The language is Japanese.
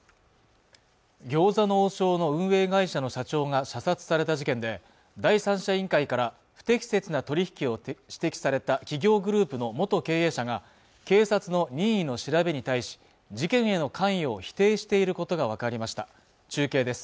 餃子の王将の運営会社の社長が射殺された事件で第三者委員会から不適切な取り引きを指摘された企業グループの元経営者が警察の任意の調べに対し事件への関与を否定していることが分かりました中継です